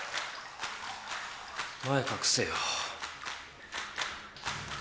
前隠せよ。